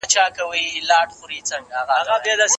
د شاتو خوړل ګټور دي.